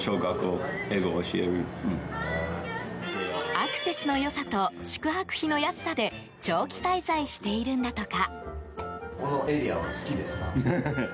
アクセスの良さと宿泊費の安さで長期滞在しているんだとか。